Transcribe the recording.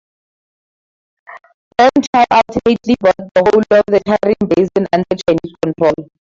Ban Chao ultimately brought the whole of the Tarim Basin under Chinese control.